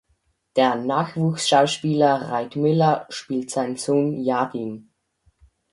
Der Nachwuchsschauspieler Reid Miller spielt seinen Sohn Jadin.